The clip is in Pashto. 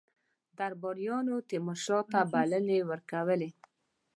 درباریانو تیمورشاه ته بلنې ورکولې.